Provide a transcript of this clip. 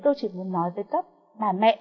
tôi chỉ muốn nói với các bà mẹ